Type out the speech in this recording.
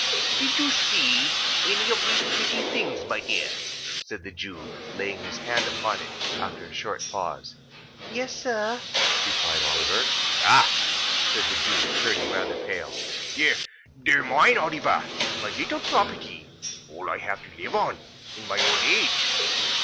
"Did you see any of these pretty things, my dear?" said the Jew, laying his hand upon it after a short pause. "Yes, sir," replied Oliver. "Ah!" said the Jew, turning rather pale. "They—they're mine, Oliver; my little property. All I have to live upon, in my old age.